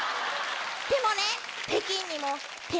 でもね。